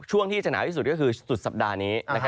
ช่วงที่จะหนาวที่สุดก็คือสุดสัปดาห์นี้